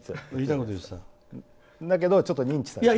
だけど、ちょっと認知された。